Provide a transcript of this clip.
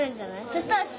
そしたら。